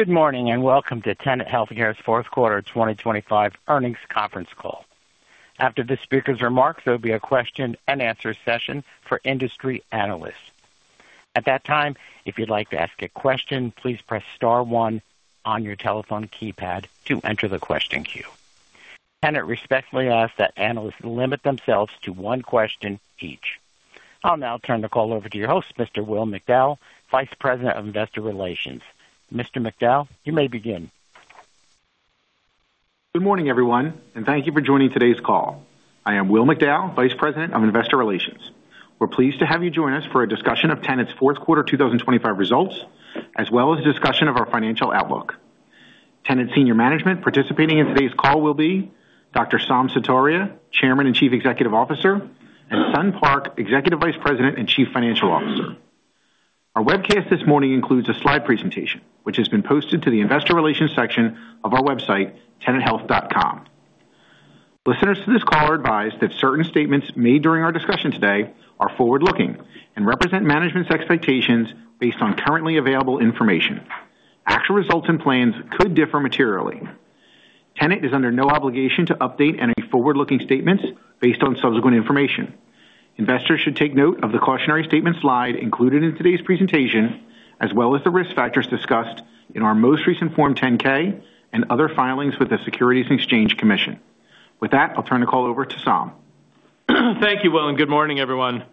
Good morning, and welcome to Tenet Healthcare's fourth quarter 2025 earnings conference call. After the speaker's remarks, there'll be a question and answer session for industry analysts. At that time, if you'd like to ask a question, please press star one on your telephone keypad to enter the question queue. Tenet respectfully asks that analysts limit themselves to one question each. I'll now turn the call over to your host, Mr. Will McDowell, Vice President of Investor Relations. Mr. McDowell, you may begin. Good morning, everyone, and thank you for joining today's call. I am Will McDowell, Vice President of Investor Relations. We're pleased to have you join us for a discussion of Tenet's fourth quarter 2025 results, as well as a discussion of our financial outlook. Tenet senior management participating in today's call will be Dr. Saum Sutaria, Chairman and Chief Executive Officer, and Sun Park, Executive Vice President and Chief Financial Officer. Our webcast this morning includes a slide presentation, which has been posted to the investor relations section of our website, tenethealth.com. Listeners to this call are advised that certain statements made during our discussion today are forward-looking and represent management's expectations based on currently available information. Actual results and plans could differ materially. Tenet is under no obligation to update any forward-looking statements based on subsequent information. Investors should take note of the cautionary statement slide included in today's presentation, as well as the risk factors discussed in our most recent Form 10-K and other filings with the Securities and Exchange Commission. With that, I'll turn the call over to Saum. Thank you, Will, and good morning, everyone.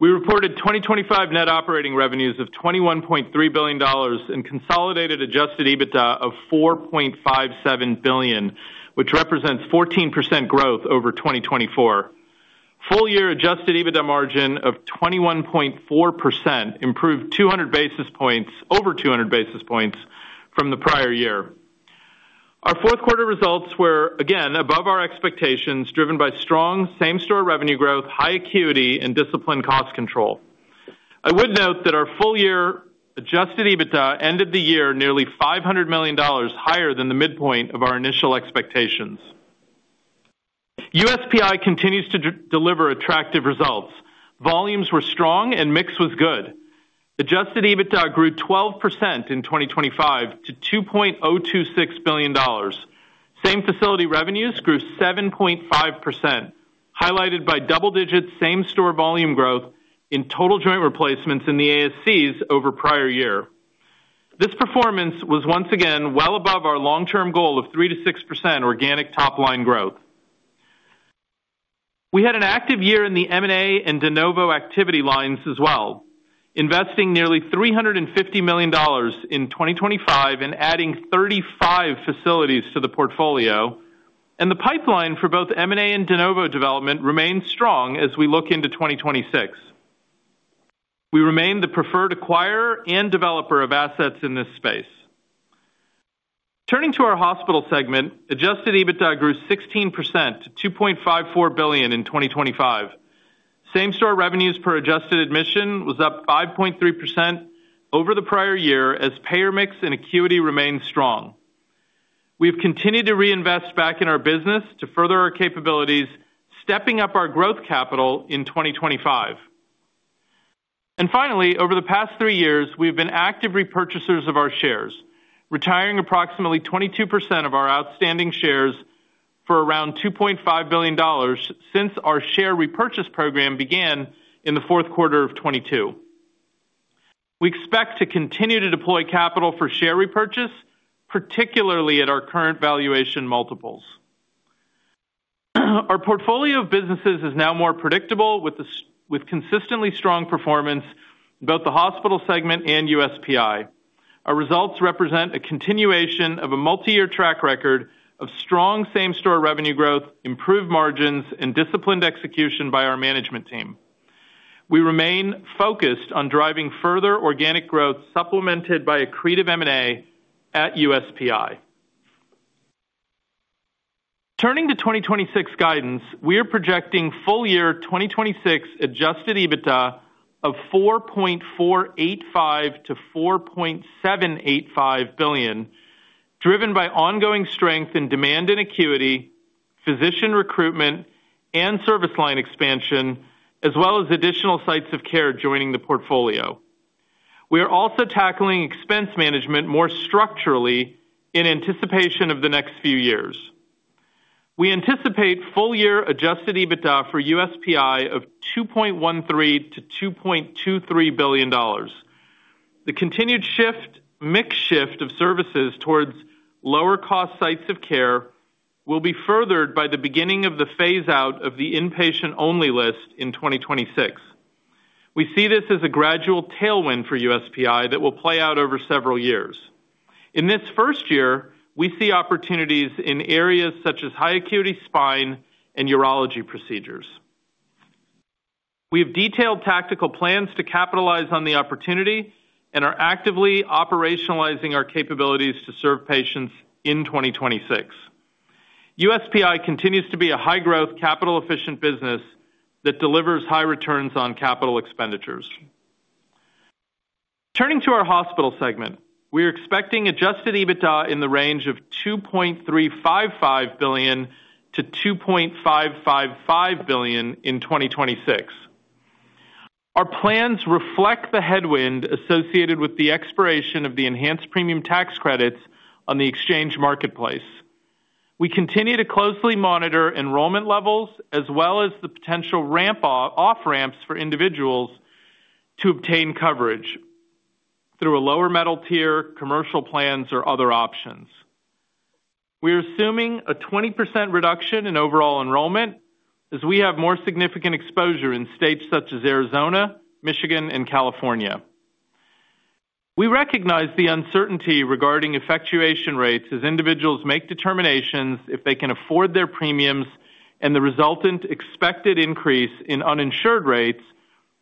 We reported 2025 net operating revenues of $21.3 billion and consolidated Adjusted EBITDA of $4.57 billion, which represents 14% growth over 2024. Full year Adjusted EBITDA margin of 21.4%, improved 200 basis points-- over 200 basis points from the prior year. Our fourth quarter results were, again, above our expectations, driven by strong same-store revenue growth, high acuity, and disciplined cost control. I would note that our full year Adjusted EBITDA ended the year nearly $500 million higher than the midpoint of our initial expectations. USPI continues to deliver attractive results. Volumes were strong and mix was good. Adjusted EBITDA grew 12% in 2025 to $2.026 billion. Same facility revenues grew 7.5%, highlighted by double-digit, same-store volume growth in total joint replacements in the ASCs over prior year. This performance was once again well above our long-term goal of 3%-6% organic top-line growth. We had an active year in the M&A and de novo activity lines as well, investing nearly $350 million in 2025 and adding 35 facilities to the portfolio, and the pipeline for both M&A and de novo development remains strong as we look into 2026. We remain the preferred acquirer and developer of assets in this space. Turning to our hospital segment, Adjusted EBITDA grew 16% to $2.54 billion in 2025. Same-store revenues per adjusted admission was up 5.3% over the prior year, as payer mix and acuity remained strong. We've continued to reinvest back in our business to further our capabilities, stepping up our growth capital in 2025. Finally, over the past three years, we've been active repurchasers of our shares, retiring approximately 22% of our outstanding shares for around $2.5 billion since our share repurchase program began in the fourth quarter of 2022. We expect to continue to deploy capital for share repurchase, particularly at our current valuation multiples. Our portfolio of businesses is now more predictable, with consistently strong performance in both the hospital segment and USPI. Our results represent a continuation of a multi-year track record of strong same-store revenue growth, improved margins, and disciplined execution by our management team. We remain focused on driving further organic growth, supplemented by accretive M&A at USPI. Turning to 2026 guidance, we are projecting full-year 2026 Adjusted EBITDA of $4.485 billion-$4.785 billion, driven by ongoing strength in demand and acuity, physician recruitment, and service line expansion, as well as additional sites of care joining the portfolio. We are also tackling expense management more structurally in anticipation of the next few years. We anticipate full-year Adjusted EBITDA for USPI of $2.13 billion-$2.23 billion. The continued shift, mix shift of services towards lower cost sites of care will be furthered by the beginning of the phase-out of the Inpatient Only List in 2026. We see this as a gradual tailwind for USPI that will play out over several years. In this first year, we see opportunities in areas such as high acuity spine and urology procedures. We have detailed tactical plans to capitalize on the opportunity and are actively operationalizing our capabilities to serve patients in 2026. USPI continues to be a high-growth, capital-efficient business that delivers high returns on capital expenditures. Turning to our hospital segment, we are expecting Adjusted EBITDA in the range of $2.355 billion-$2.555 billion in 2026. Our plans reflect the headwind associated with the expiration of the enhanced premium tax credits on the exchange marketplace. We continue to closely monitor enrollment levels, as well as the potential ramp off-ramps for individuals to obtain coverage through a lower metal tier, commercial plans, or other options. We are assuming a 20% reduction in overall enrollment, as we have more significant exposure in states such as Arizona, Michigan, and California. We recognize the uncertainty regarding effectuation rates as individuals make determinations if they can afford their premiums, and the resultant expected increase in uninsured rates,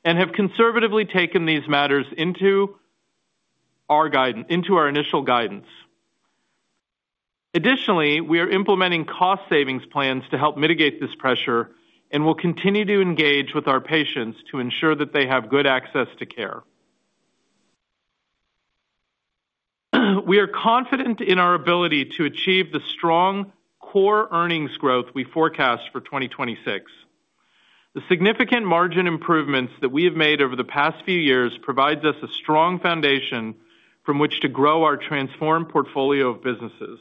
and have conservatively taken these matters into our guidance - into our initial guidance. Additionally, we are implementing cost savings plans to help mitigate this pressure, and we'll continue to engage with our patients to ensure that they have good access to care. We are confident in our ability to achieve the strong core earnings growth we forecast for 2026. The significant margin improvements that we have made over the past few years provides us a strong foundation from which to grow our transformed portfolio of businesses.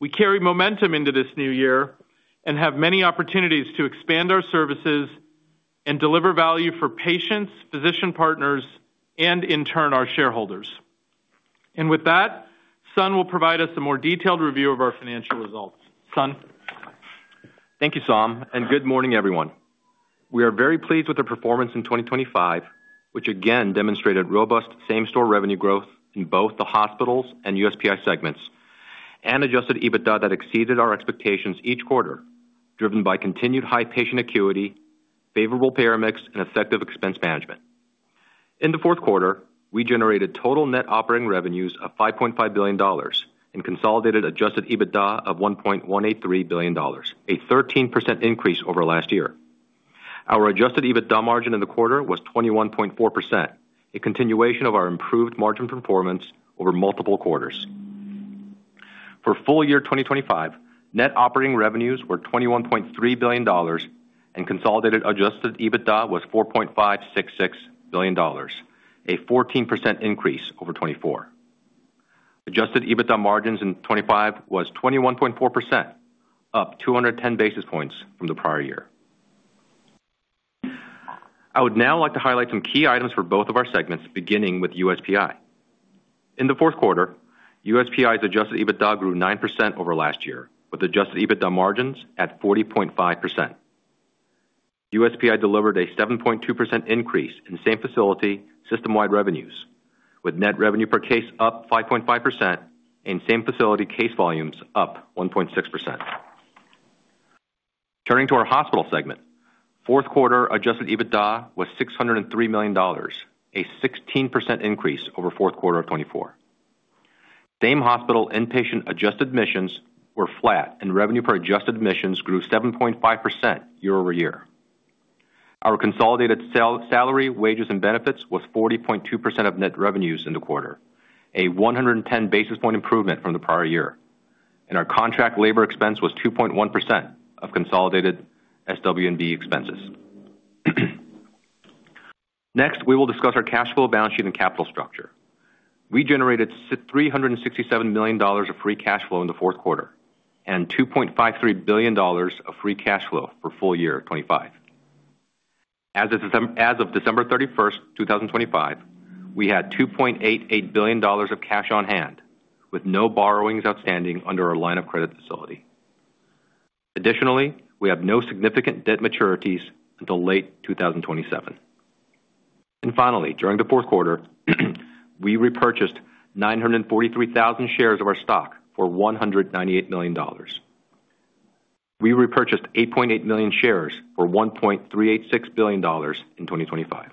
We carry momentum into this new year and have many opportunities to expand our services and deliver value for patients, physician partners, and in turn, our shareholders. With that, Sun will provide us a more detailed review of our financial results. Sun? Thank you, Saum, and Good morning, everyone. We are very pleased with the performance in 2025, which again demonstrated robust same-store revenue growth in both the hospitals and USPI segments, and Adjusted EBITDA that exceeded our expectations each quarter, driven by continued high patient acuity, favorable payer mix, and effective expense management. In the fourth quarter, we generated total net operating revenues of $5.5 billion and consolidated Adjusted EBITDA of $1.183 billion, a 13% increase over last year. Our Adjusted EBITDA margin in the quarter was 21.4%, a continuation of our improved margin performance over multiple quarters. For full year 2025, net operating revenues were $21.3 billion, and consolidated Adjusted EBITDA was $4.566 billion, a 14% increase over 2024. Adjusted EBITDA margins in 2025 was 21.4%, up 210 basis points from the prior year. I would now like to highlight some key items for both of our segments, beginning with USPI. In the fourth quarter, USPI's Adjusted EBITDA grew 9% over last year, with Adjusted EBITDA margins at 40.5%. USPI delivered a 7.2% increase in same-facility, system-wide revenues, with net revenue per case up 5.5% and same-facility case volumes up 1.6%. Turning to our hospital segment, fourth quarter Adjusted EBITDA was $603 million, a 16% increase over fourth quarter of 2024. Same-hospital inpatient Adjusted admissions were flat, and revenue per Adjusted admissions grew 7.5% year-over-year. Our consolidated salary, wages, and benefits was 40.2% of net revenues in the quarter, a 110 basis point improvement from the prior year, and our contract labor expense was 2.1% of consolidated SW&B expenses. Next, we will discuss our cash flow, balance sheet, and capital structure. We generated $367 million of free cash flow in the fourth quarter, and $2.53 billion of free cash flow for full year 2025. As of December 31, 2025, we had $2.8 billion of cash on hand, with no borrowings outstanding under our line of credit facility. Additionally, we have no significant debt maturities until late 2027. Finally, during the fourth quarter, we repurchased 943,000 shares of our stock for $198 million. We repurchased 8.8 million shares for $1.386 billion in 2025.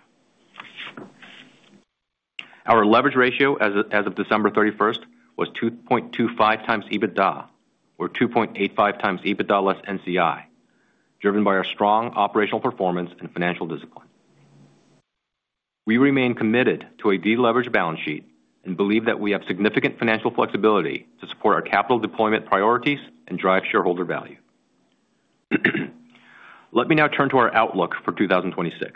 Our leverage ratio as of December thirty-first was 2.25 times EBITDA, or 2.85 times EBITDA less NCI, driven by our strong operational performance and financial discipline. We remain committed to a deleveraged balance sheet and believe that we have significant financial flexibility to support our capital deployment priorities and drive shareholder value. Let me now turn to our outlook for 2026.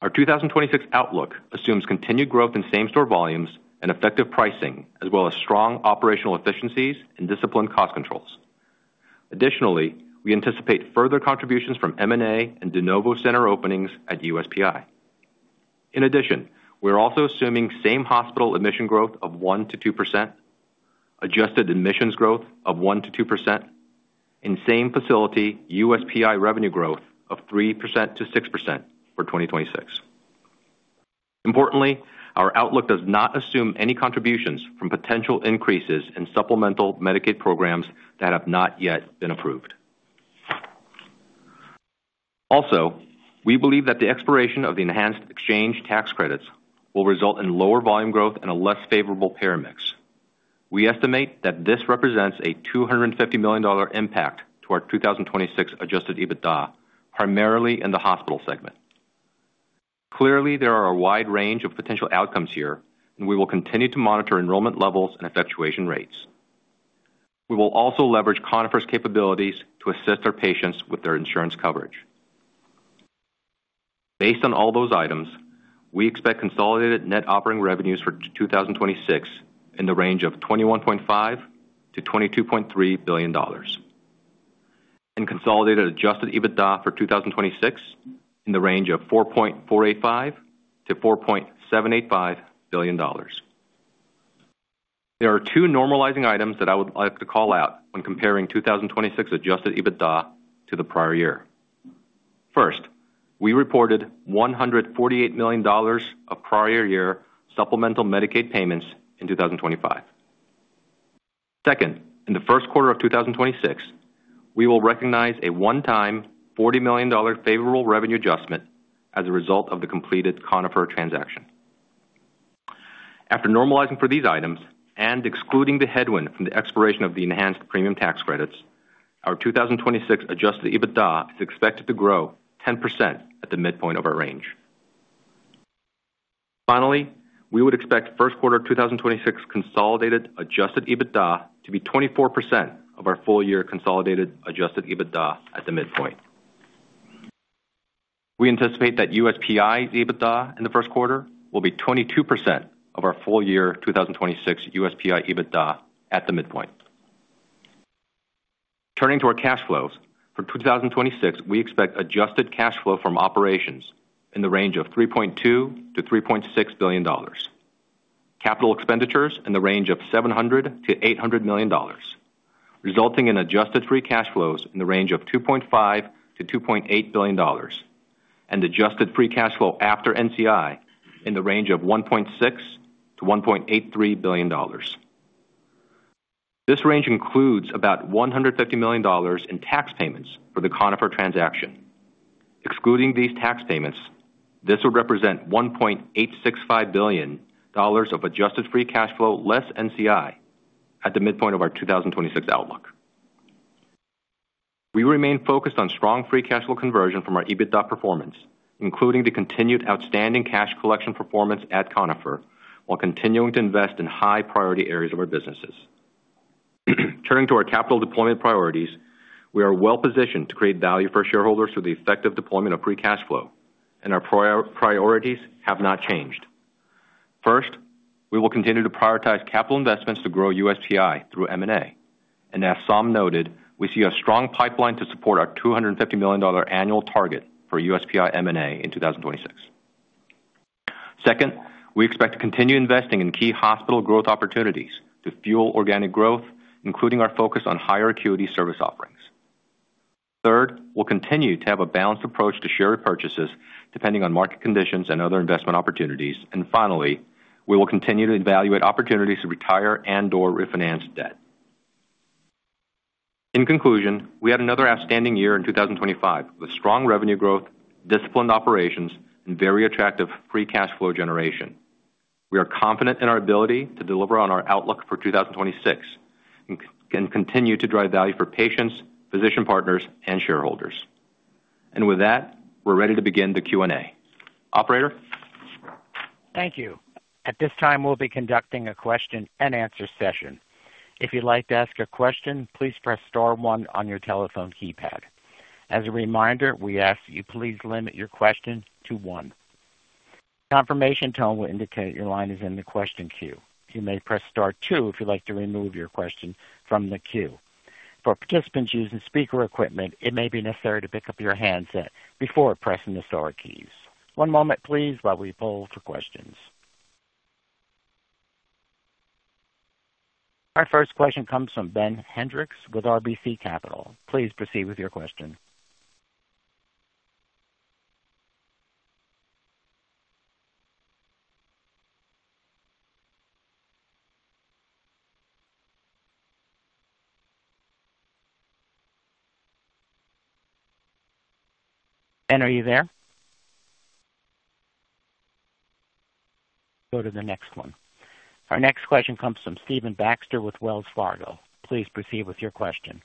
Our 2026 outlook assumes continued growth in same-store volumes and effective pricing, as well as strong operational efficiencies and disciplined cost controls. Additionally, we anticipate further contributions from M&A and de novo center openings at USPI. In addition, we are also assuming same hospital admission growth of 1%-2%, adjusted admissions growth of 1%-2%, and same facility USPI revenue growth of 3%-6% for 2026. Importantly, our outlook does not assume any contributions from potential increases in supplemental Medicaid programs that have not yet been approved. Also, we believe that the expiration of the enhanced exchange tax credits will result in lower volume growth and a less favorable payer mix. We estimate that this represents a $250 million impact to our 2026 Adjusted EBITDA, primarily in the hospital segment. Clearly, there are a wide range of potential outcomes here, and we will continue to monitor enrollment levels and effectuation rates. We will also leverage Conifer's capabilities to assist our patients with their insurance coverage. Based on all those items, we expect consolidated net operating revenues for 2026 in the range of $21.5 billion-$22.3 billion, and consolidated Adjusted EBITDA for 2026 in the range of $4.485 billion-$4.785 billion. There are two normalizing items that I would like to call out when comparing 2026 Adjusted EBITDA to the prior year. First, we reported $148 million of prior year supplemental Medicaid payments in 2025. Second, in the first quarter of 2026, we will recognize a one-time $40 million favorable revenue adjustment as a result of the completed Conifer transaction. After normalizing for these items and excluding the headwind from the expiration of the Enhanced Premium Tax Credits, our 2026 Adjusted EBITDA is expected to grow 10% at the midpoint of our range. Finally, we would expect first quarter 2026 consolidated Adjusted EBITDA to be 24% of our full year consolidated Adjusted EBITDA at the midpoint. We anticipate that USPI EBITDA in the first quarter will be 22% of our full year 2026 USPI EBITDA at the midpoint. Turning to our cash flows, for 2026, we expect adjusted cash flow from operations in the range of $3.2 billion-$3.6 billion. Capital expenditures in the range of $700 million-$800 million, resulting in adjusted free cash flows in the range of $2.5 billion-$2.8 billion, and adjusted free cash flow after NCI in the range of $1.6 billion-$1.83 billion. This range includes about $150 million in tax payments for the Conifer transaction. Excluding these tax payments, this would represent $1.865 billion of adjusted free cash flow, less NCI at the midpoint of our 2026 outlook. We remain focused on strong free cash flow conversion from our EBITDA performance, including the continued outstanding cash collection performance at Conifer, while continuing to invest in high priority areas of our businesses. Turning to our capital deployment priorities, we are well positioned to create value for shareholders through the effective deployment of free cash flow, and our prior priorities have not changed. First, we will continue to prioritize capital investments to grow USPI through M&A. And as Saum noted, we see a strong pipeline to support our $250 million annual target for USPI M&A in 2026. Second, we expect to continue investing in key hospital growth opportunities to fuel organic growth, including our focus on higher acuity service offerings. Third, we'll continue to have a balanced approach to share repurchases, depending on market conditions and other investment opportunities. And finally, we will continue to evaluate opportunities to retire and/or refinance debt. In conclusion, we had another outstanding year in 2025, with strong revenue growth, disciplined operations, and very attractive Free Cash Flow generation. We are confident in our ability to deliver on our outlook for 2026, and continue to drive value for patients, physician partners, and shareholders. With that, we're ready to begin the Q&A. Operator? Thank you. At this time, we'll be conducting a question-and-answer session. If you'd like to ask a question, please press star one on your telephone keypad. As a reminder, we ask that you please limit your question to one. Confirmation tone will indicate your line is in the question queue. You may press star two if you'd like to remove your question from the queue. For participants using speaker equipment, it may be necessary to pick up your handset before pressing the star keys. One moment, please, while we pull for questions. Our first question comes from Ben Hendrix with RBC Capital. Please proceed with your question. Ben, are you there? Go to the next one. Our next question comes from Stephen Baxter with Wells Fargo. Please proceed with your question.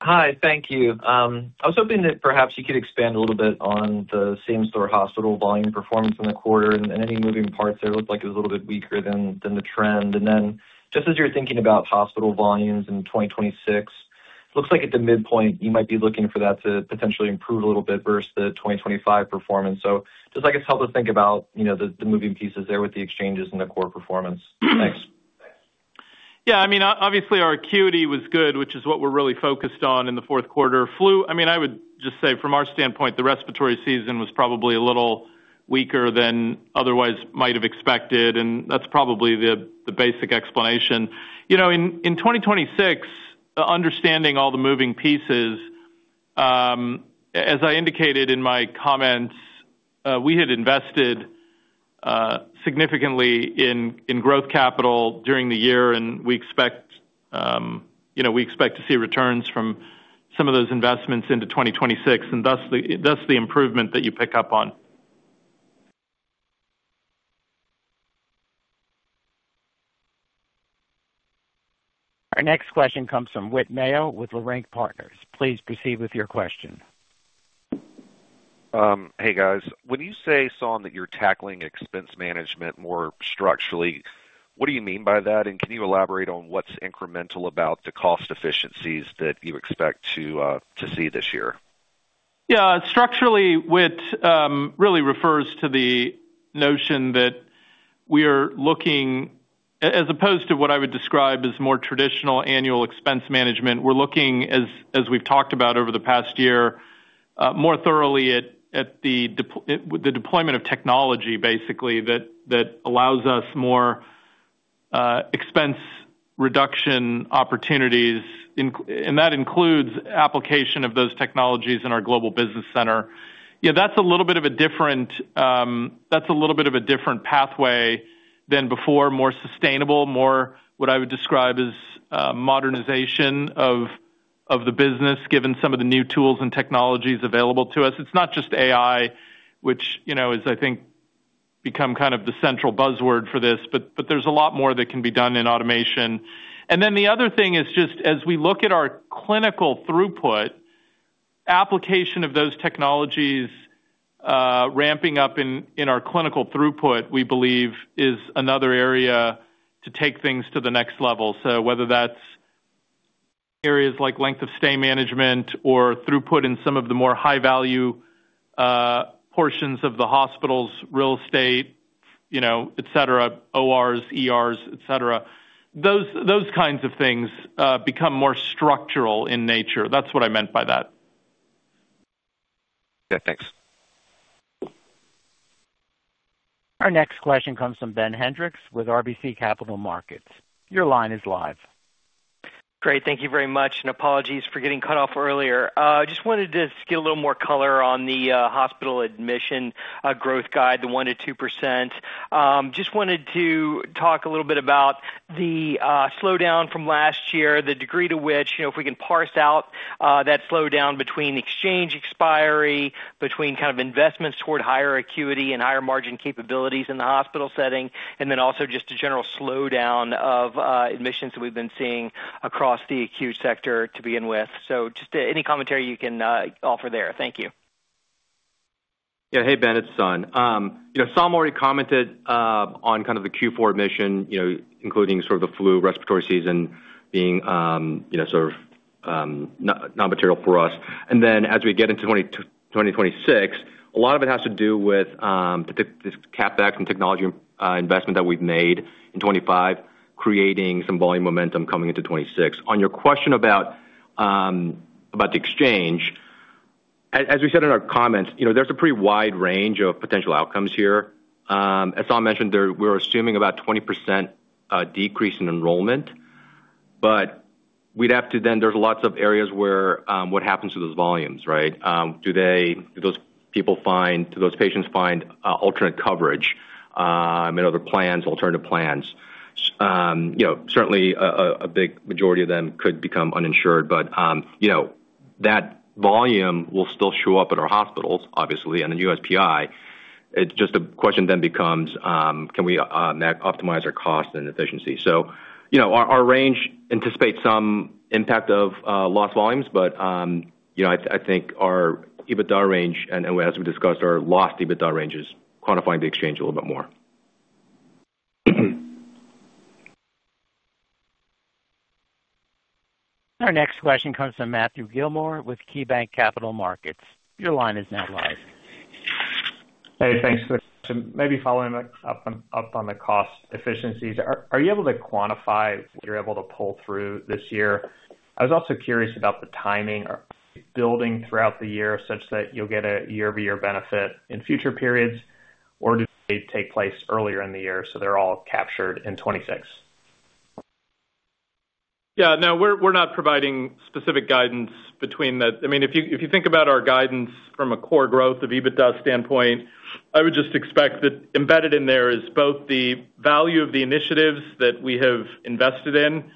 Hi, thank you. I was hoping that perhaps you could expand a little bit on the same-store hospital volume performance in the quarter and any moving parts that looked like it was a little bit weaker than the trend. And then, just as you're thinking about hospital volumes in 2026, it looks like at the midpoint, you might be looking for that to potentially improve a little bit versus the 2025 performance. So just I guess, help us think about, you know, the moving pieces there with the exchanges and the core performance. Thanks. Yeah, I mean, obviously, our acuity was good, which is what we're really focused on in the fourth quarter. Flu, I mean, I would just say from our standpoint, the respiratory season was probably a little weaker than otherwise might have expected, and that's probably the basic explanation. You know, in 2026, understanding all the moving pieces, as I indicated in my comments, we had invested significantly in growth capital during the year, and we expect, you know, we expect to see returns from some of those investments into 2026, and thus the improvement that you pick up on. Our next question comes from Whit Mayo with Leerink Partners. Please proceed with your question. Hey, guys. When you say, Saum, that you're tackling expense management more structurally, what do you mean by that? And can you elaborate on what's incremental about the cost efficiencies that you expect to see this year? Yeah, structurally, Whit, really refers to the notion that we are looking. As opposed to what I would describe as more traditional annual expense management, we're looking, as we've talked about over the past year, more thoroughly at the deployment of technology, basically, that allows us more expense reduction opportunities, and that includes application of those technologies in our Global Business Center. Yeah, that's a little bit of a different pathway than before, more sustainable, more what I would describe as modernization of the business, given some of the new tools and technologies available to us. It's not just AI, which, you know, is I think become kind of the central buzzword for this, but there's a lot more that can be done in automation. And then the other thing is just as we look at our clinical throughput, application of those technologies, ramping up in our clinical throughput, we believe is another area to take things to the next level. So whether that's areas like length of stay management or throughput in some of the more high-value portions of the hospital's real estate, you know, et cetera, ORs, ERs, et cetera, those kinds of things become more structural in nature. That's what I meant by that. Yeah, thanks. Our next question comes from Ben Hendrix with RBC Capital Markets. Your line is live. Great. Thank you very much, and apologies for getting cut off earlier. Just wanted to get a little more color on the hospital admission growth guide, the 1%-2%. Just wanted to talk a little bit about the slowdown from last year, the degree to which, you know, if we can parse out that slowdown between exchange exposure, between kind of investments toward higher acuity and higher margin capabilities in the hospital setting, and then also just a general slowdown of admissions that we've been seeing across the acute sector to begin with. So just any commentary you can offer there. Thank you. Yeah. Hey, Ben, it's Sun. You know, Saum already commented on kind of the Q4 admission, you know, including sort of the flu, respiratory season being, you know, sort of non-material for us. And then as we get into 2026, a lot of it has to do with the this CapEx and technology investment that we've made in 2025, creating some volume momentum coming into 2026. On your question about about the exchange, as we said in our comments, you know, there's a pretty wide range of potential outcomes here. As Saum mentioned, there, we're assuming about 20% decrease in enrollment, but we'd have to then, there's lots of areas where what happens to those volumes, right? Do those patients find alternate coverage in other plans, alternative plans? You know, certainly, a big majority of them could become uninsured, but, you know, that volume will still show up at our hospitals, obviously, and the USPI. It's just the question then becomes, can we optimize our cost and efficiency? So, you know, our range anticipates some impact of lost volumes, but, you know, I think our EBITDA range, and as we discussed, our lost EBITDA range is quantifying the exchange a little bit more. Our next question comes from Matthew Gilmore with KeyBanc Capital Markets. Your line is now live. Hey, thanks for the question. Maybe following up on the cost efficiencies, are you able to quantify what you're able to pull through this year? I was also curious about the timing or building throughout the year, such that you'll get a year-over-year benefit in future periods, or do they take place earlier in the year, so they're all captured in 2026? Yeah. No, we're not providing specific guidance between the, I mean, if you think about our guidance from a core growth of EBITDA standpoint, I would just expect that embedded in there is both the value of the initiatives that we have invested in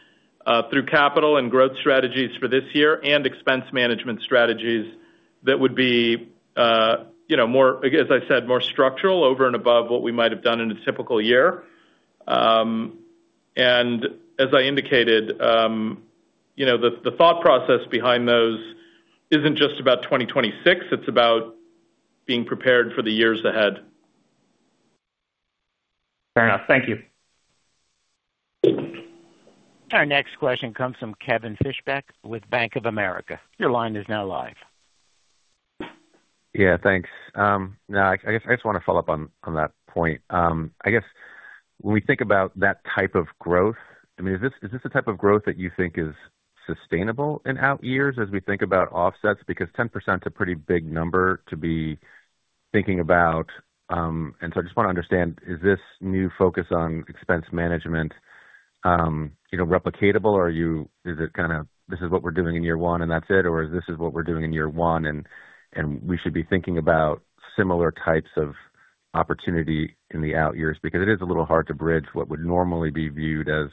through capital and growth strategies for this year and expense management strategies that would be, you know, more, as I said, more structural over and above what we might have done in a typical year. And as I indicated, you know, the thought process behind those isn't just about 2026, it's about being prepared for the years ahead. Fair enough. Thank you. Our next question comes from Kevin Fischbeck with Bank of America. Your line is now live. Yeah, thanks. Now, I guess I just want to follow up on, on that point. I guess when we think about that type of growth, I mean, is this, is this the type of growth that you think is sustainable in out years as we think about offsets? Because 10% is a pretty big number to be thinking about. And so I just want to understand, is this new focus on expense management, you know, replicatable, or are you, is it kind of, this is what we're doing in year one, and that's it? Or is this is what we're doing in year one, and, and we should be thinking about similar types of opportunity in the out years? Because it is a little hard to bridge what would normally be viewed as,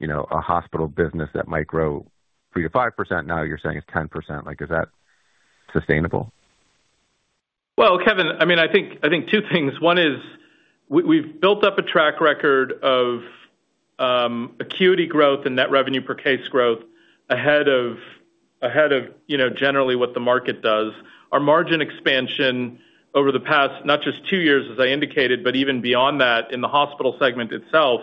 you know, a hospital business that might grow 3%-5%. Now, you're saying it's 10%. Like, is that sustainable? Well, Kevin, I mean, I think, I think two things. One is, we, we've built up a track record of, acuity growth and net revenue per case growth ahead of, ahead of, you know, generally what the market does. Our margin expansion over the past, not just two years, as I indicated, but even beyond that, in the hospital segment itself,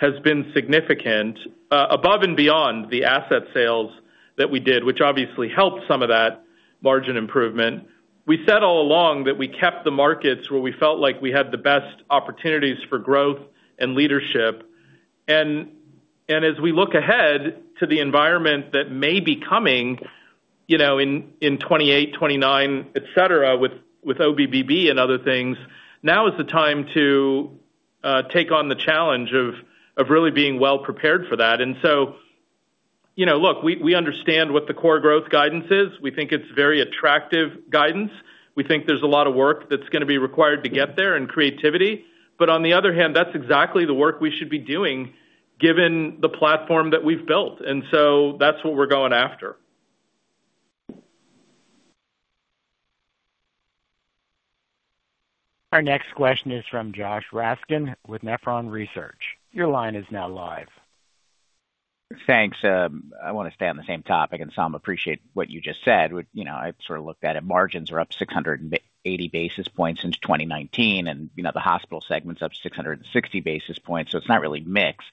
has been significant, above and beyond the asset sales that we did, which obviously helped some of that margin improvement. We said all along that we kept the markets where we felt like we had the best opportunities for growth and leadership. And, and as we look ahead to the environment that may be coming, you know, in, in 2028, 2029, et cetera, with OBBB and other things, now is the time to, take on the challenge of, of really being well prepared for that. And so, you know, look, we understand what the core growth guidance is. We think it's very attractive guidance. We think there's a lot of work that's gonna be required to get there and creativity. But on the other hand, that's exactly the work we should be doing, given the platform that we've built, and so that's what we're going after. Our next question is from Josh Raskin with Nephron Research. Your line is now live. Thanks. I want to stay on the same topic, and some appreciate what you just said. You know, I've sort of looked at it. Margins are up 680 basis points since 2019, and, you know, the hospital segment's up 660 basis points, so it's not really mixed.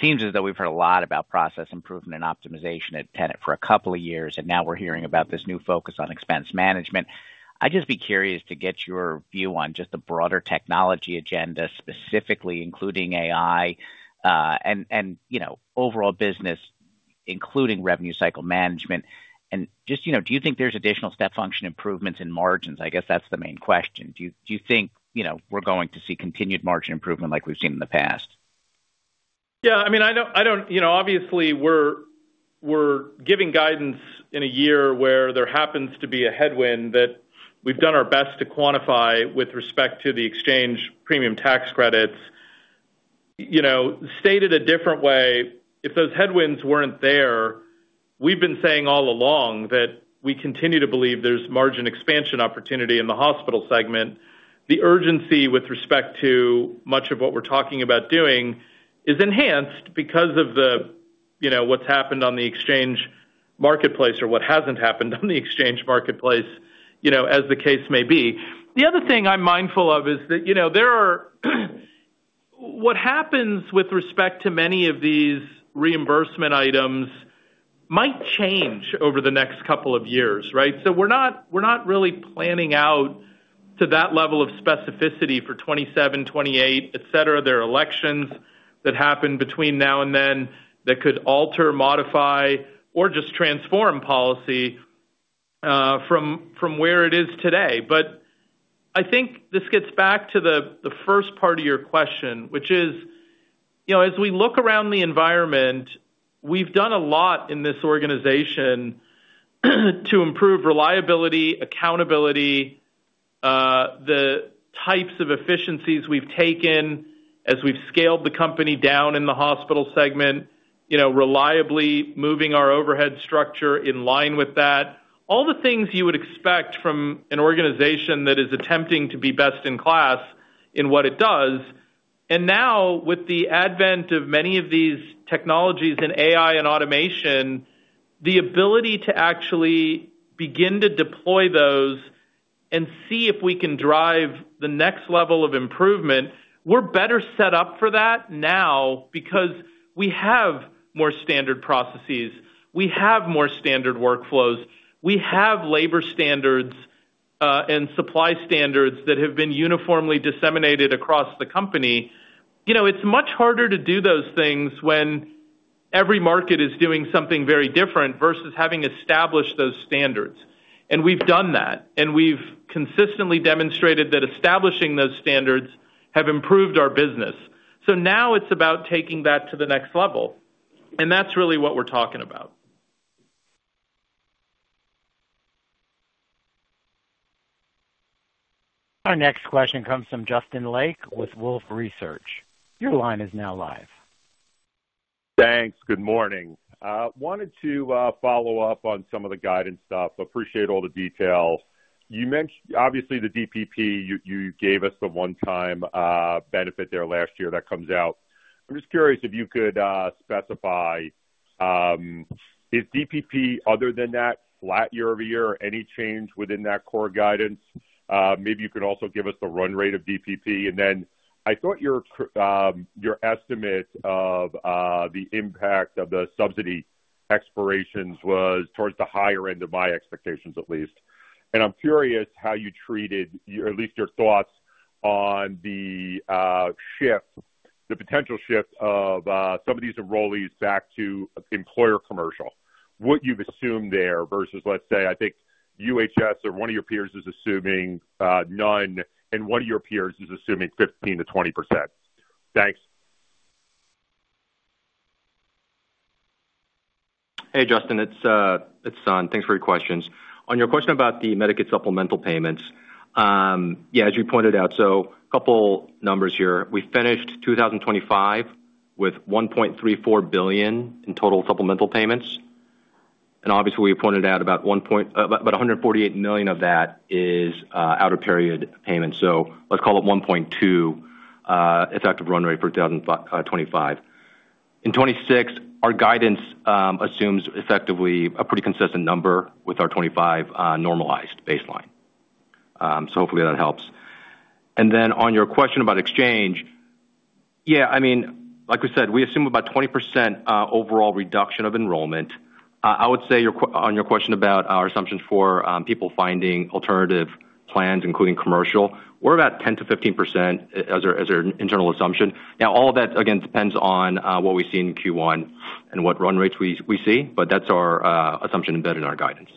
Seems as though we've heard a lot about process improvement and optimization at Tenet for a couple of years, and now we're hearing about this new focus on expense management. I'd just be curious to get your view on just the broader technology agenda, specifically, including AI, and, you know, overall business, including revenue cycle management. And just, you know, do you think there's additional step function improvements in margins? I guess that's the main question: Do you, do you think, you know, we're going to see continued margin improvement like we've seen in the past? Yeah, I mean, I don't. You know, obviously, we're giving guidance in a year where there happens to be a headwind that we've done our best to quantify with respect to the exchange premium tax credits. You know, stated a different way, if those headwinds weren't there, we've been saying all along that we continue to believe there's margin expansion opportunity in the hospital segment. The urgency with respect to much of what we're talking about doing is enhanced because of the, you know, what's happened on the Exchange Marketplace or what hasn't happened on the Exchange Marketplace, you know, as the case may be. The other thing I'm mindful of is that, you know, what happens with respect to many of these reimbursement items might change over the next couple of years, right? So we're not, we're not really planning out to that level of specificity for 2027, 2028, et cetera. There are elections that happen between now and then that could alter, modify, or just transform policy from, from where it is today. But I think this gets back to the, the first part of your question, which is, you know, as we look around the environment, we've done a lot in this organization to improve reliability, accountability, the types of efficiencies we've taken as we've scaled the company down in the hospital segment, you know, reliably moving our overhead structure in line with that. All the things you would expect from an organization that is attempting to be best-in-class in what it does. And now, with the advent of many of these technologies in AI and automation, the ability to actually begin to deploy those and see if we can drive the next level of improvement, we're better set up for that now because we have more standard processes, we have more standard workflows, we have labor standards, and supply standards that have been uniformly disseminated across the company. You know, it's much harder to do those things when every market is doing something very different versus having established those standards. And we've done that, and we've consistently demonstrated that establishing those standards have improved our business. So now it's about taking that to the next level, and that's really what we're talking about. Our next question comes from Justin Lake with Wolfe Research. Your line is now live. Thanks. Good morning. Wanted to follow up on some of the guidance stuff. Appreciate all the details. You mentioned, obviously, the DPP, you gave us the one-time benefit there last year that comes out. I'm just curious if you could specify, is DPP, other than that, flat year over year, any change within that core guidance? Maybe you could also give us the run rate of DPP. And then, I thought your estimate of the impact of the subsidy expirations was towards the higher end of my expectations, at least. And I'm curious how you treated, or at least your thoughts on the shift, the potential shift of some of these enrollees back to employer commercial. What you've assumed there versus, let's say, I think UHS or one of your peers, is assuming none, and one of your peers is assuming 15%-20%. Thanks. Hey, Justin, it's Sun. Thanks for your questions. On your question about the Medicaid supplemental payments, as you pointed out, a couple numbers here. We finished 2025 with $1.34 billion in total supplemental payments. And obviously, we pointed out about 1 point, about $148 million of that is out of period payments, so let's call it $1.2 effective run rate for 2025. In 2026, our guidance assumes effectively a pretty consistent number with our 2025 normalized baseline. So hopefully that helps. And then on your question about exchange, yeah, I mean, like we said, we assume about 20% overall reduction of enrollment. I would say, on your question about our assumptions for people finding alternative plans, including commercial, we're about 10%-15% as our internal assumption. Now, all of that, again, depends on what we see in Q1 and what run rates we see, but that's our assumption embedded in our guidance.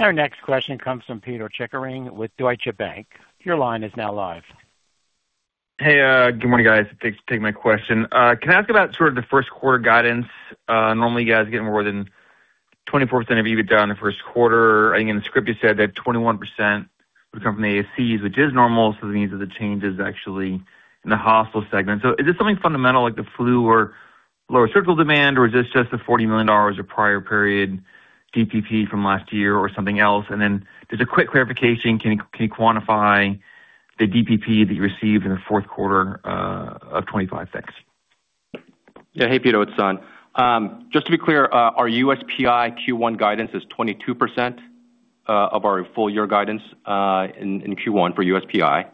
Our next question comes from Peter Chickering with Deutsche Bank. Your line is now live. Hey, good morning, guys. Thanks for taking my question. Can I ask about sort of the first quarter guidance? Normally, you guys get more than 24% of you down in the first quarter. I think in the script, you said that 21% would come from the ASCs, which is normal. So these are the changes actually in the hospital segment. So is this something fundamental, like the flu or lower surgical demand, or is this just the $40 million of prior period DPP from last year or something else? And then just a quick clarification, can you, can you quantify the DPP that you received in the fourth quarter of 2025? Thanks. Yeah. Hey, Peter, it's Saum. Just to be clear, our USPI Q1 guidance is 22% of our full year guidance in Q1 for USPI.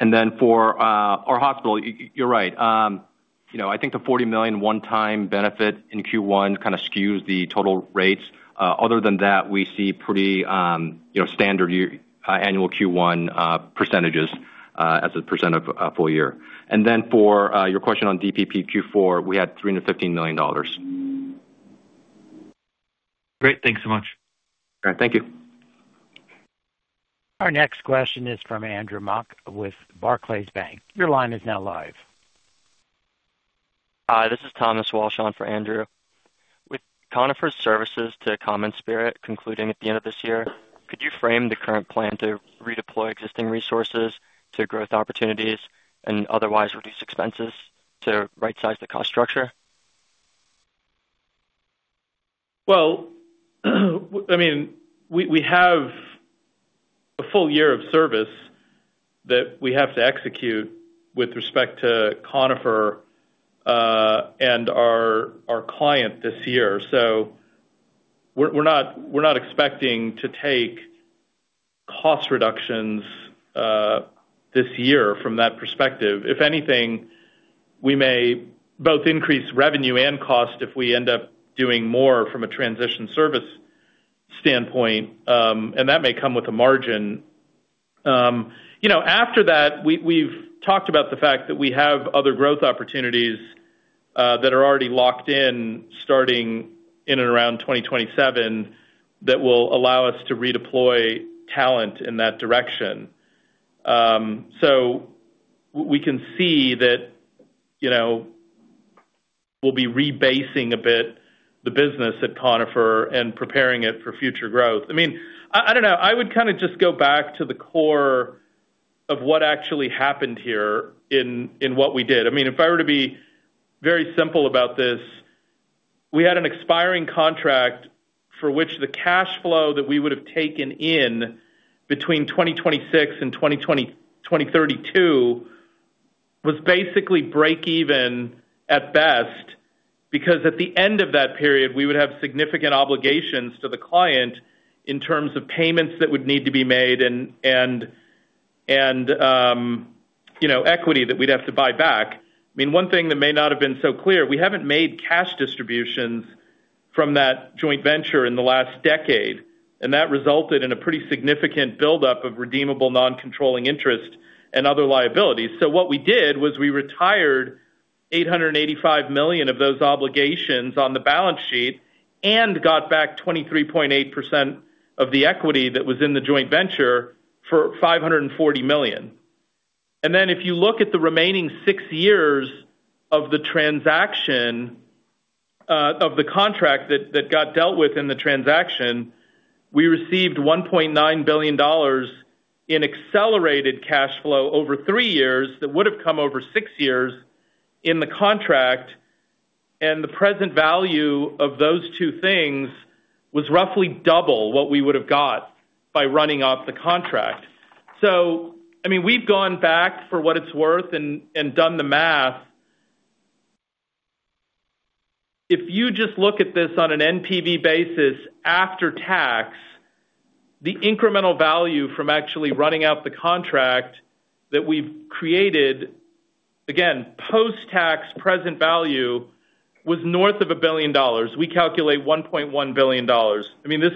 And then for our hospital, you're right. You know, I think the $40 million one-time benefit in Q1 kind of skews the total rates. Other than that, we see pretty, you know, standard annual Q1 percentages as a percent of full year. And then for your question on DPP Q4, we had $315 million. Great. Thanks so much. All right, thank you. Our next question is from Andrew Mok with Barclays Bank. Your line is now live. Hi, this is Thomas Walsh on for Andrew. With Conifer's services to CommonSpirit, concluding at the end of this year, could you frame the current plan to redeploy existing resources to growth opportunities and otherwise reduce expenses to rightsize the cost structure? Well, I mean, we have a full year of service that we have to execute with respect to Conifer and our client this year. So we're not expecting to take cost reductions this year from that perspective. If anything, we may both increase revenue and cost if we end up doing more from a transition service standpoint, and that may come with a margin. You know, after that, we've talked about the fact that we have other growth opportunities that are already locked in, starting in and around 2027, that will allow us to redeploy talent in that direction. So we can see that, you know, we'll be rebasing a bit the business at Conifer and preparing it for future growth. I mean, I don't know. I would kind of just go back to the core of what actually happened here in what we did. I mean, if I were to be very simple about this, we had an expiring contract for which the cash flow that we would have taken in between 2026 and 2032 was basically breakeven at best, because at the end of that period, we would have significant obligations to the client in terms of payments that would need to be made and you know, equity that we'd have to buy back. I mean, one thing that may not have been so clear, we haven't made cash distributions from that joint venture in the last decade, and that resulted in a pretty significant buildup of redeemable non-controlling interests and other liabilities. So what we did was we retired $885 million of those obligations on the balance sheet and got back 23.8% of the equity that was in the joint venture for $540 million. And then, if you look at the remaining 6 years of the transaction, of the contract that that got dealt with in the transaction, we received $1.9 billion in accelerated cash flow over 3 years that would have come over 6 years in the contract, and the present value of those two things was roughly double what we would have got by running off the contract. So, I mean, we've gone back for what it's worth and done the math. If you just look at this on an NPV basis after tax, the incremental value from actually running out the contract that we've created, again, post-tax present value, was north of $1 billion. We calculate $1.1 billion. I mean, this,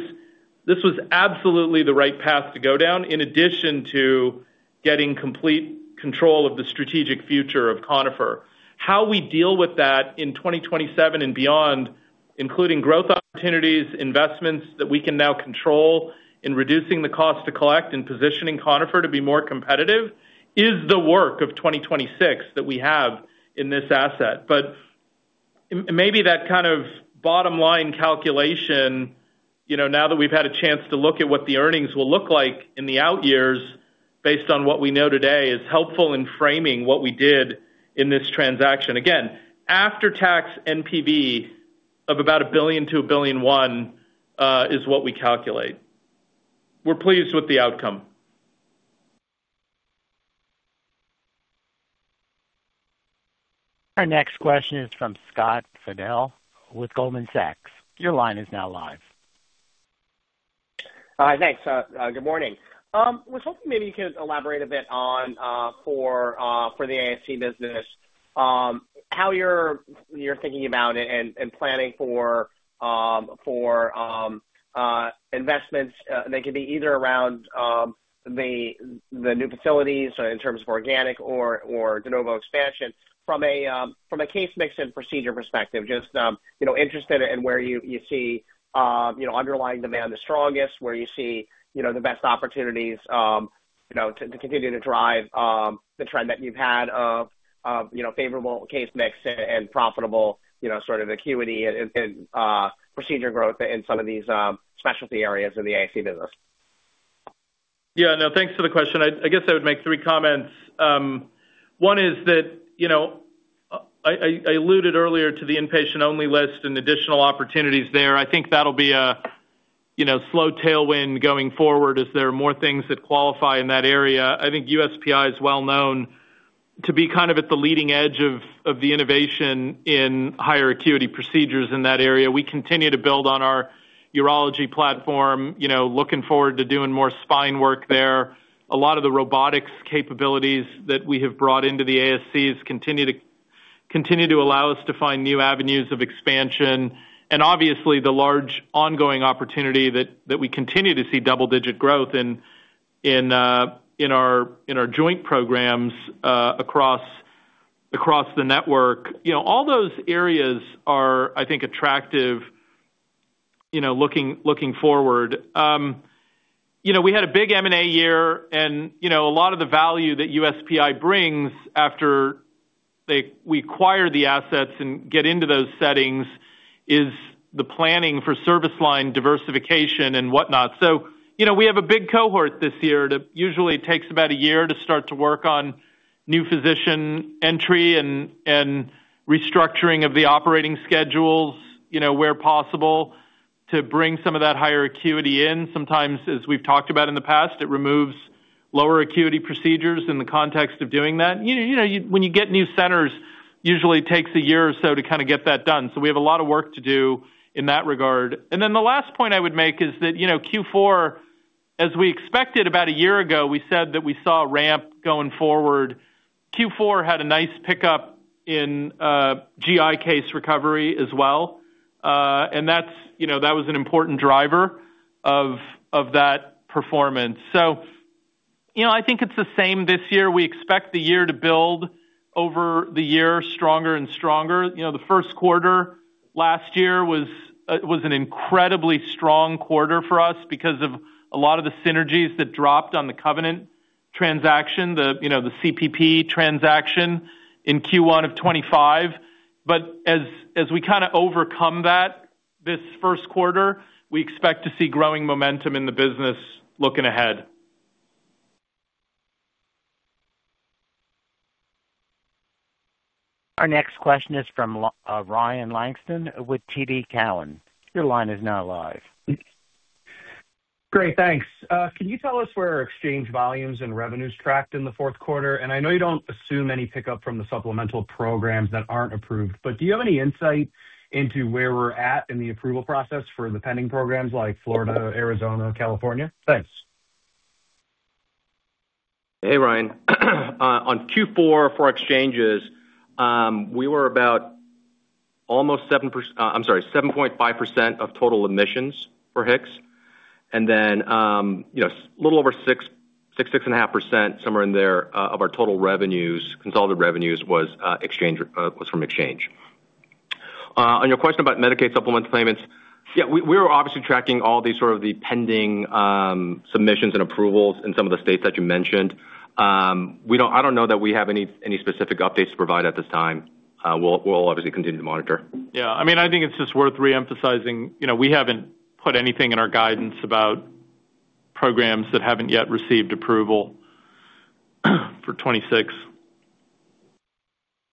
this was absolutely the right path to go down, in addition to getting complete control of the strategic future of Conifer. How we deal with that in 2027 and beyond, including growth opportunities, investments that we can now control in reducing the cost to collect and positioning Conifer to be more competitive, is the work of 2026 that we have in this asset. But Maybe that kind of bottom line calculation, you know, now that we've had a chance to look at what the earnings will look like in the out years, based on what we know today, is helpful in framing what we did in this transaction. Again, after-tax NPV of about $1 billion-$1.1 billion is what we calculate. We're pleased with the outcome. Our next question is from Scott Fidel with Goldman Sachs. Your line is now live. Hi, thanks. Good morning. Was hoping maybe you could elaborate a bit on the ASC business, how you're thinking about it and planning for investments, they could be either around the new facilities in terms of organic or de novo expansion from a case mix and procedure perspective, just you know, interested in where you see you know, underlying demand the strongest, where you see you know, the best opportunities, you know, to continue to drive the trend that you've had of you know, favorable case mix and profitable, you know, sort of acuity and procedure growth in some of these specialty areas of the ASC business. Yeah. No, thanks for the question. I guess I would make three comments. One is that, you know, I alluded earlier to the inpatient-only list and additional opportunities there. I think that'll be a, you know, slow tailwind going forward as there are more things that qualify in that area. I think USPI is well known to be kind of at the leading edge of the innovation in higher acuity procedures in that area. We continue to build on our urology platform, you know, looking forward to doing more spine work there. A lot of the robotics capabilities that we have brought into the ASCs continue to allow us to find new avenues of expansion, and obviously, the large ongoing opportunity that we continue to see double-digit growth in our joint programs across the network. You know, all those areas are, I think, attractive, you know, looking forward. You know, we had a big M&A year, and, you know, a lot of the value that USPI brings after we acquire the assets and get into those settings, is the planning for service line diversification and whatnot. So, you know, we have a big cohort this year. It usually takes about a year to start to work on new physician entry and restructuring of the operating schedules, you know, where possible, to bring some of that higher acuity in. Sometimes, as we've talked about in the past, it removes lower acuity procedures in the context of doing that. You know, when you get new centers, usually takes a year or so to kinda get that done. So we have a lot of work to do in that regard. And then the last point I would make is that, you know, Q4, as we expected about a year ago, we said that we saw a ramp going forward. Q4 had a nice pickup in GI case recovery as well, and that's, you know, that was an important driver of that performance. So, you know, I think it's the same this year. We expect the year to build over the year, stronger and stronger. You know, the first quarter last year was an incredibly strong quarter for us because of a lot of the synergies that dropped on the Covenant transaction, the, you know, the CPP transaction in Q1 of 2025. But as we kinda overcome that this first quarter, we expect to see growing momentum in the business looking ahead. Our next question is from, Ryan Langston with TD Cowen. Your line is now live. Great, thanks. Can you tell us where our exchange volumes and revenues tracked in the fourth quarter? And I know you don't assume any pickup from the supplemental programs that aren't approved, but do you have any insight into where we're at in the approval process for the pending programs like Florida, Arizona, California? Thanks. Hey, Ryan. On Q4 for exchanges, we were about almost 7%, I'm sorry, 7.5% of total admissions for HIX, and then, you know, a little over 6, 6.5%, somewhere in there, of our total revenues, consolidated revenues was exchange, was from exchange. On your question about Medicaid supplement payments, yeah, we, we're obviously tracking all the sort of the pending submissions and approvals in some of the states that you mentioned. We don't, I don't know that we have any, any specific updates to provide at this time. We'll, we'll obviously continue to monitor. Yeah, I mean, I think it's just worth reemphasizing, you know, we haven't put anything in our guidance about programs that haven't yet received approval, for 2026.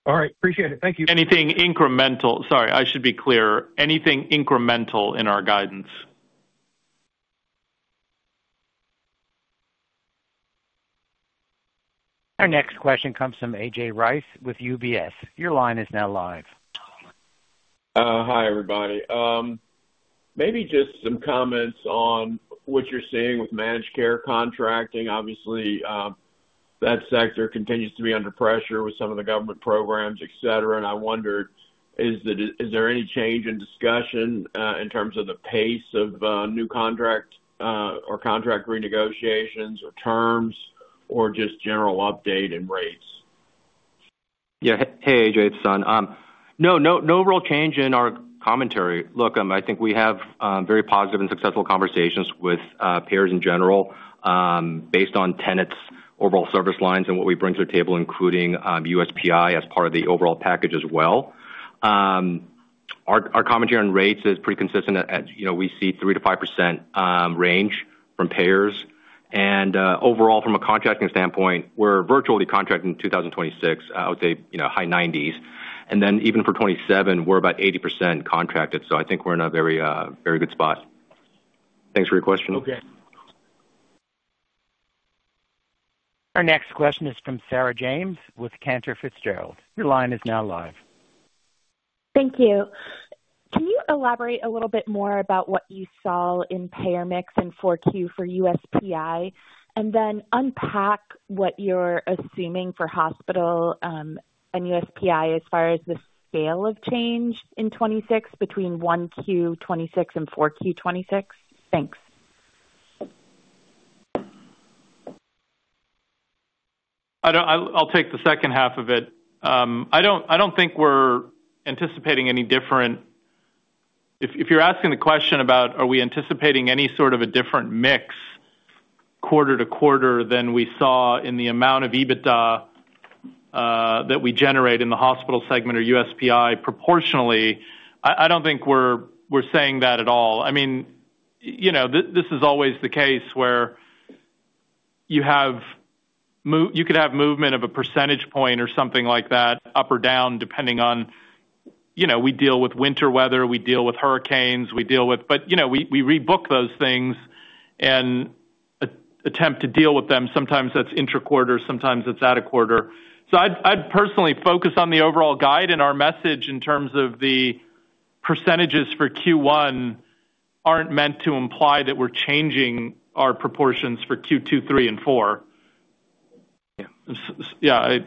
All right, appreciate it. Thank you. Anything incremental. Sorry, I should be clearer. Anything incremental in our guidance. Our next question comes from A.J. Rice with UBS. Your line is now live. Hi, everybody. Maybe just some comments on what you're seeing with managed care contracting. Obviously, that sector continues to be under pressure with some of the government programs, et cetera. And I wonder, is there any change in discussion in terms of the pace of new contract or contract renegotiations or terms, or just general update and rates? Yeah. Hey, A.J., it's Sun. No, no, no real change in our commentary. Look, I think we have very positive and successful conversations with payers in general, based on Tenet's overall service lines and what we bring to the table, including USPI as part of the overall package as well. Our commentary on rates is pretty consistent. As you know, we see 3%-5% range from payers. And overall, from a contracting standpoint, we're virtually contracting in 2026. I would say, you know, high 90s, and then even for 2027, we're about 80% contracted. So I think we're in a very good spot. Thanks for your question. Okay. Our next question is from Sarah James with Cantor Fitzgerald. Your line is now live. Thank you. Can you elaborate a little bit more about what you saw in payer mix in 4Q for USPI, and then unpack what you're assuming for hospital, and USPI as far as the scale of change in 2026 between 1Q 2026 and 4Q 2026? Thanks. I'll take the second half of it. I don't think we're anticipating any different. If you're asking the question about, are we anticipating any sort of a different mix quarter to quarter than we saw in the amount of EBITDA that we generate in the hospital segment or USPI proportionally, I don't think we're saying that at all. I mean, you know, this is always the case where you could have movement of a percentage point or something like that, up or down, depending on, you know, we deal with winter weather, we deal with hurricanes, we deal with. But, you know, we rebook those things and attempt to deal with them. Sometimes that's intra-quarter, sometimes it's out of quarter. So I'd personally focus on the overall guide, and our message in terms of the percentages for Q1 aren't meant to imply that we're changing our proportions for Q2, three, and four. Yeah, yeah, I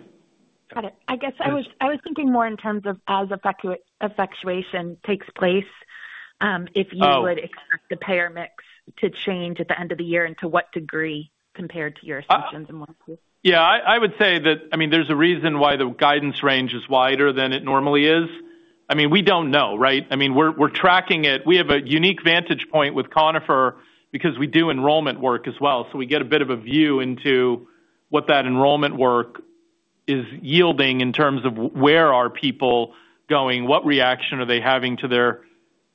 Got it. I guess I was, I was thinking more in terms of as effectuation takes place, if you- Oh. Would expect the payer mix to change at the end of the year, and to what degree compared to your assumptions in 1Q? Yeah, I would say that, I mean, there's a reason why the guidance range is wider than it normally is. I mean, we don't know, right? I mean, we're tracking it. We have a unique vantage point with Conifer because we do enrollment work as well, so we get a bit of a view into what that enrollment work is yielding in terms of where are people going, what reaction are they having to their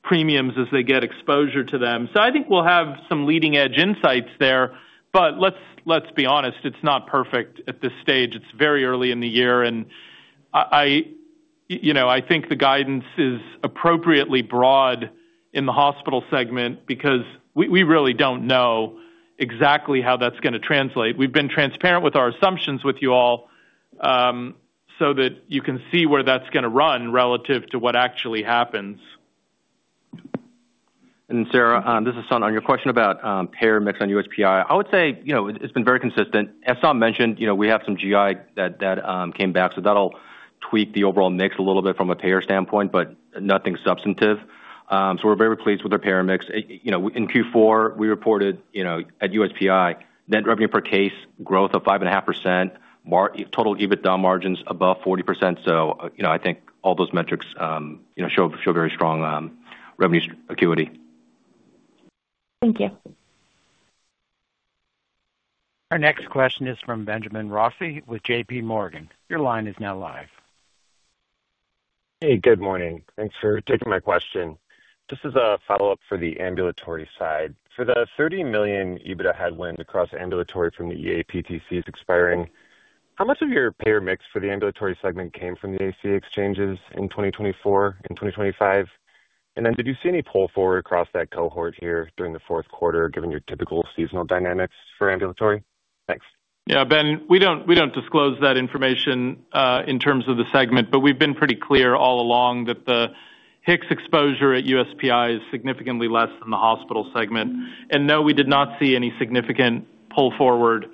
premiums as they get exposure to them. So I think we'll have some leading-edge insights there. But let's be honest, it's not perfect at this stage. It's very early in the year, and you know, I think the guidance is appropriately broad in the hospital segment because we really don't know exactly how that's gonna translate. We've been transparent with our assumptions with you all, so that you can see where that's gonna run relative to what actually happens. Sarah, this is Sun. On your question about payer mix on USPI, I would say, you know, it's been very consistent. As Tom mentioned, you know, we have some GI that that came back, so that'll tweak the overall mix a little bit from a payer standpoint, but nothing substantive. So we're very pleased with our payer mix. You know, in Q4, we reported, you know, at USPI, net revenue per case growth of 5.5%, total EBITDA margins above 40%. So, you know, I think all those metrics, you know, show show very strong revenue acuity. Thank you. Our next question is from Benjamin Rossi with J.P. Morgan. Your line is now live. Hey, good morning. Thanks for taking my question. Just as a follow-up for the ambulatory side. For the $30 million EBITDA headwinds across ambulatory from the EAPTCs expiring, how much of your payer mix for the ambulatory segment came from the ACA exchanges in 2024 and 2025? And then, did you see any pull forward across that cohort here during the fourth quarter, given your typical seasonal dynamics for ambulatory? Thanks. Yeah, Ben, we don't, we don't disclose that information in terms of the segment, but we've been pretty clear all along that the HIX exposure at USPI is significantly less than the hospital segment. And no, we did not see any significant pull forward.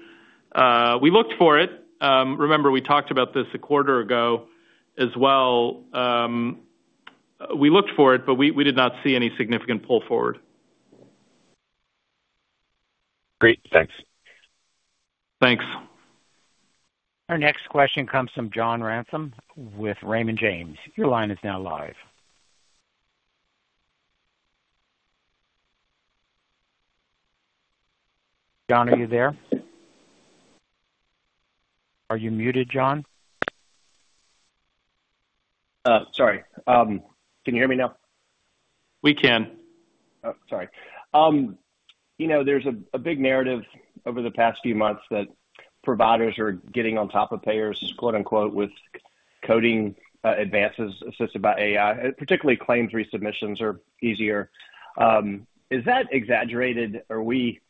We looked for it. Remember we talked about this a quarter ago as well. We looked for it, but we, we did not see any significant pull forward. Great. Thanks. Thanks. Our next question comes from John Ransom with Raymond James. Your line is now live. John, are you there? Are you muted, John? Sorry. Can you hear me now? We can. Oh, sorry. You know, there's a big narrative over the past few months that providers are getting on top of payers, quote, unquote, "with coding advances assisted by AI," particularly claims resubmissions are easier. Is that exaggerated? Are we,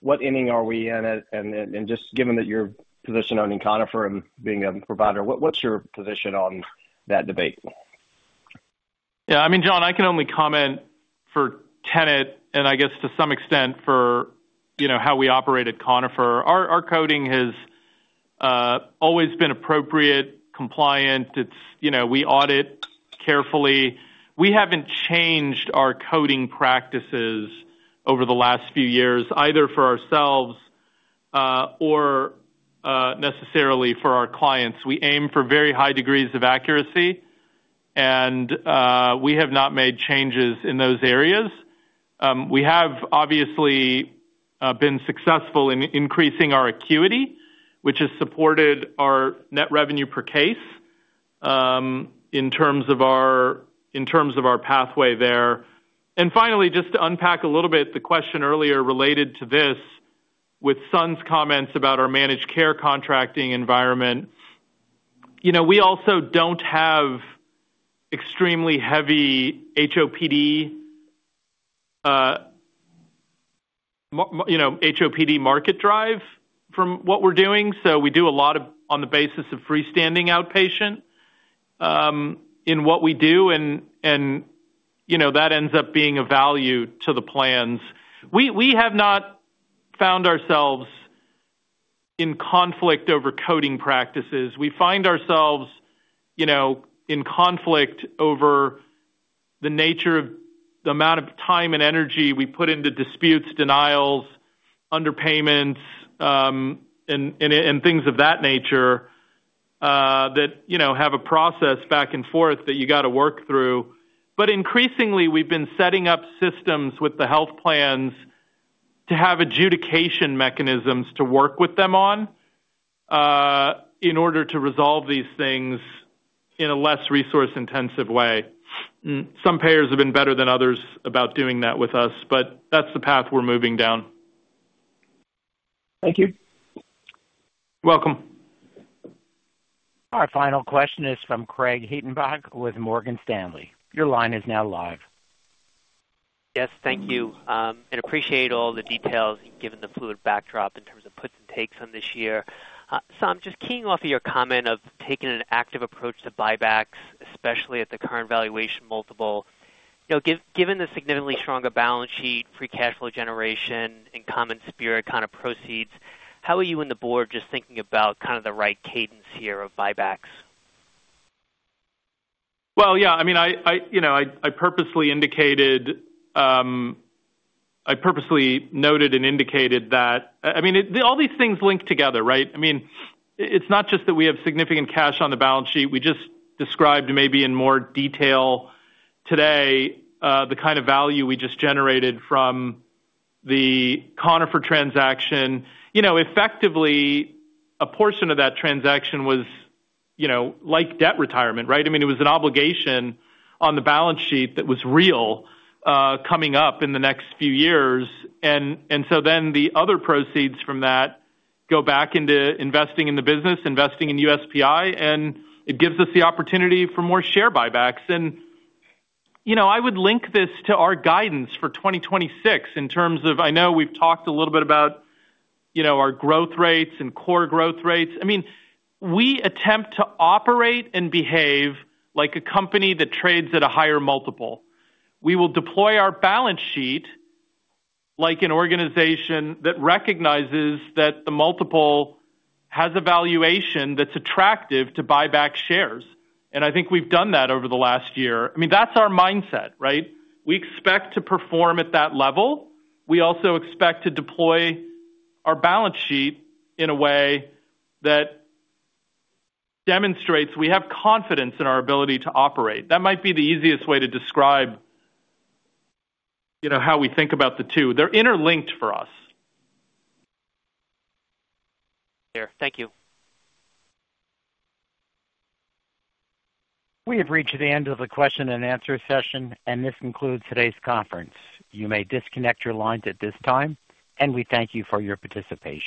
what inning are we in? And then, just given that your position owning Conifer and being a provider, what's your position on that debate? Yeah, I mean, John, I can only comment for Tenet, and I guess to some extent for, you know, how we operate at Conifer. Our coding has always been appropriate, compliant. It's, you know, we audit carefully. We haven't changed our coding practices over the last few years, either for ourselves or necessarily for our clients. We aim for very high degrees of accuracy, and we have not made changes in those areas. We have obviously been successful in increasing our acuity, which has supported our net revenue per case, in terms of our pathway there. And finally, just to unpack a little bit, the question earlier related to this, with Sun's comments about our managed care contracting environment. You know, we also don't have extremely heavy HOPD, you know, HOPD market drive from what we're doing, so we do a lot of on the basis of freestanding outpatient, in what we do, and, and, you know, that ends up being a value to the plans. We have not found ourselves in conflict over coding practices. We find ourselves, you know, in conflict over the nature of the amount of time and energy we put into disputes, denials, underpayments, and, and, and things of that nature, that, you know, have a process back and forth that you got to work through. But increasingly, we've been setting up systems with the health plans to have adjudication mechanisms to work with them on, in order to resolve these things in a less resource-intensive way. Some payers have been better than others about doing that with us, but that's the path we're moving down. Thank you. Welcome. Our final question is from Craig Hettenbach with Morgan Stanley. Your line is now live. Yes, thank you. And appreciate all the details given the fluid backdrop in terms of puts and takes on this year. So I'm just keying off of your comment of taking an active approach to buybacks, especially at the current valuation multiple. You know, given the significantly stronger balance sheet, free cash flow generation, and CommonSpirit kind of proceeds, how are you and the board just thinking about kind of the right cadence here of buybacks? Well, yeah, I mean, you know, I purposely indicated, I purposely noted and indicated that, I mean, all these things link together, right? I mean, it's not just that we have significant cash on the balance sheet. We just described, maybe in more detail today, the kind of value we just generated from the Conifer transaction. You know, effectively, a portion of that transaction was, you know, like debt retirement, right? I mean, it was an obligation on the balance sheet that was real, coming up in the next few years. And so then the other proceeds from that go back into investing in the business, investing in USPI, and it gives us the opportunity for more share buybacks. And, you know, I would link this to our guidance for 2026 in terms of I know we've talked a little bit about, you know, our growth rates and core growth rates. I mean, we attempt to operate and behave like a company that trades at a higher multiple. We will deploy our balance sheet like an organization that recognizes that the multiple has a valuation that's attractive to buy back shares, and I think we've done that over the last year. I mean, that's our mindset, right? We expect to perform at that level. We also expect to deploy our balance sheet in a way that demonstrates we have confidence in our ability to operate. That might be the easiest way to describe, you know, how we think about the two. They're interlinked for us. Sure. Thank you. We have reached the end of the question and answer session, and this concludes today's conference. You may disconnect your lines at this time, and we thank you for your participation.